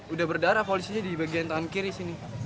udah berdarah polisinya di bagian tangan kiri sini